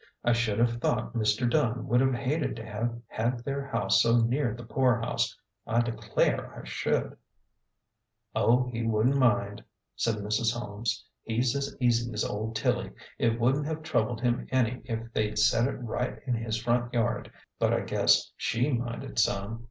I should have thought Mr. Dunn would have hated to have had their house so near the poor house. I declare I should !"" Oh, he wouldn't mind," said Mrs. Holmes ;" he's as easy as old Tilly. It wouldn't have troubled him any if they'd set it right in his front yard. But I guess she minded some.